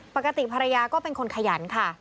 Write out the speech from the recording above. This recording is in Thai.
ปกติภรรยาก็เป็นคนขยันค่ะ